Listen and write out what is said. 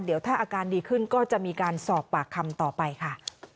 เดี๋ยวถ้าอาการดีขึ้นก็จะมีการสอบปากคำต่อไปค่ะ